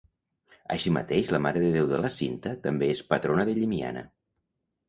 Així mateix la Mare de Déu de la Cinta també és patrona de Llimiana.